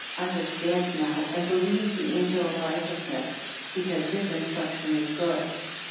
Understand now and believe the angel of righteousness, because his instruction is good.